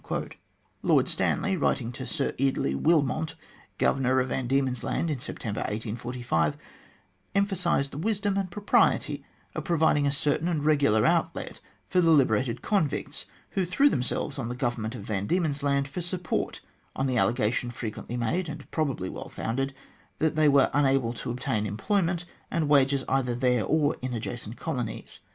Lord Stanley, writing to Sir Eardley Wilmot, Governor of Van Diemen's Land, in September, 1845, emphasised the wisdom and the propriety of providing a certain and regular outlet for the liberated convicts who threw themselves on the Government of Van Diemen's Land for support, on the allegation frequently made, and probably well founded, that they were unable to obtain employment and wages either there or in the adjacent Colonies.